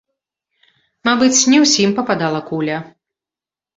Мабыць, ні ўсім пападала куля.